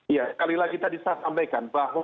ya sekali lagi tadi saya sampaikan bahwa